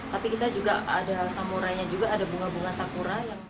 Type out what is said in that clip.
tapi kita juga ada samurainya juga ada bunga bunga sakura